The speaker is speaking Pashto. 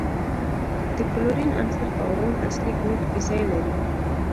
د کلورین عنصر په اووم اصلي ګروپ کې ځای لري.